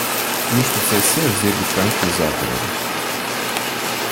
Iešpricē sev zirgu trankvilizatoru.